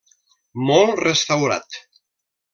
Molt restaurat.